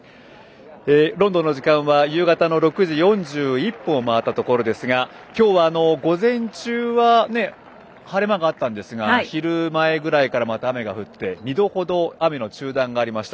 ロンドンの時間は夕方の６時４１分を回ったところですが今日は、午前中は晴れ間があったんですが昼前ぐらいから、また雨が降って２度程、雨の中断がありました。